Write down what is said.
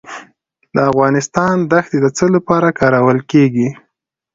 د افغانستان دښتې د څه لپاره کارول کیږي؟